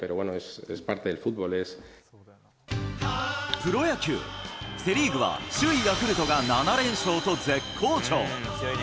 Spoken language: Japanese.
プロ野球、セ・リーグは首位ヤクルトが７連勝と絶好調。